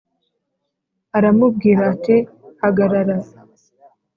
aramubwira ati hagarara